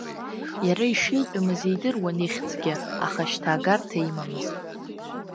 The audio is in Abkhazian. Иара ишитәымыз идыруан ихьӡгьы, аха шьҭа агарҭа имамызт.